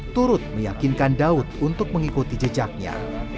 turut meyakinkan daud untuk mengikuti jejaknya